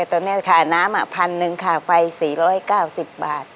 ตอนนี้ค่าน้ำ๑๐๐๐ค่าไฟ๔๙๐บาท